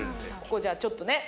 ここじゃあちょっとね